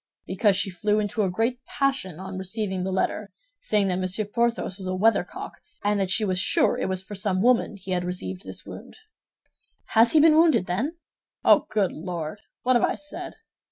"Because she flew into a great passion on receiving the letter, saying that Monsieur Porthos was a weathercock, and that she was sure it was for some woman he had received this wound." "Has he been wounded, then?" "Oh, good Lord! What have I said?"